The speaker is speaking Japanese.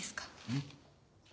うん。